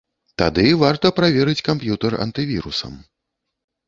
Тады варта праверыць камп'ютар антывірусам.